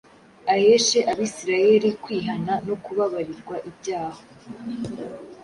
aheshe Abisirayeri kwihana no kubabarirwa ibyaha.